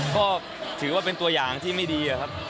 ก็ถือว่าเป็นตัวอย่างที่ไม่ดีอะครับ